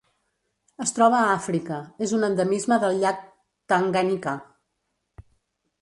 Es troba a Àfrica: és un endemisme del llac Tanganyika.